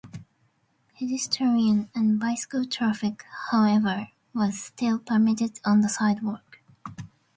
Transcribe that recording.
Pedestrian and bicycle traffic, however, was still permitted on the sidewalk.